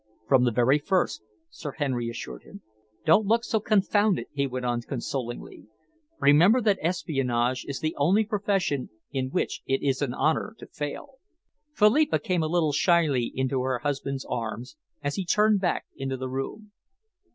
"From the very first," Sir Henry assured him. "Don't look so confounded," he went on consolingly. "Remember that espionage is the only profession in which it is an honour to fail." Philippa came a little shyly into her husband's arms, as he turned back into the room.